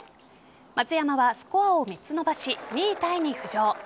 松山はスコアを３つ伸ばし２位タイに浮上。